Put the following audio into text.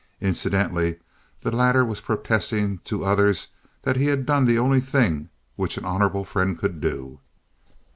Incidentally, the latter was protesting to others that he had done the only thing which an honorable friend could do.